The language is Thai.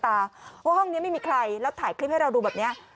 เพราะว่าห้องนี้ไม่มีใครแล้วถ่ายคลิปให้เราดูแบบนี้